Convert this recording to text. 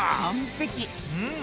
うん！